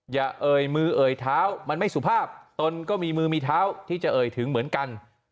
เอ่ยมือเอ่ยเท้ามันไม่สุภาพตนก็มีมือมีเท้าที่จะเอ่ยถึงเหมือนกัน